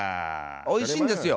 おいしいんですよ。